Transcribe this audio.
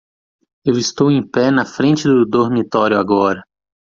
Eu estou em pé na frente do dormitório agora.